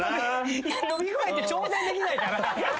伸び具合って調整できないから！